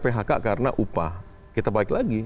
phk karena upah kita baik lagi